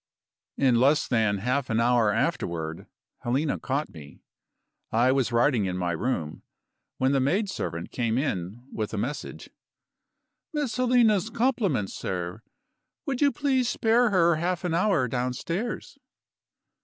In less than half an hour afterward, Helena caught me. I was writing in my room, when the maidservant came in with a message: "Miss Helena's compliments, sir, and would you please spare her half an hour, downstairs?"